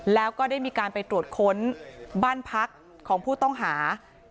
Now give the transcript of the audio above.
แล้วก็ได้มีการไปตรวจค้นบ้านพักของผู้ต้องหา